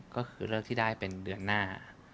ก็คือเลิกที่ได้เป็นเดือนหน้า